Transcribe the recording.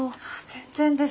全然です。